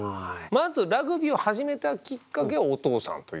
まずラグビーを始めたきっかけはお父さんということで。